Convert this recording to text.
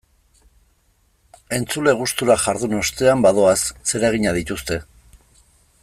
Entzule gustura jardun ostean, badoaz, zereginak dituzte.